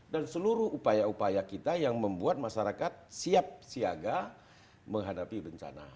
dan seluruh upaya upaya kita yang membuat masyarakat siap siaga menghadapi bencana